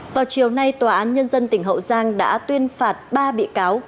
vào chiều nay tòa án nhân dân tỉnh hậu giang đã tuyên phạt ba bị cáo